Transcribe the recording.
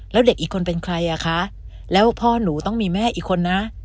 แล้วเด็กอีกคนเป็นใครอ่ะคะแล้วพ่อหนูต้องมีแม่อีกคนนะ